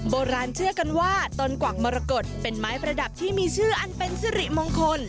โบราณเชื่อกันว่าต้นกวักมรกฏเป็นไม้ประดับที่มีชื่ออันเป็นสิริมงคล